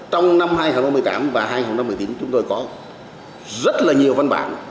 trong năm hai nghìn một mươi tám và hai nghìn một mươi chín chúng tôi có rất là nhiều văn bản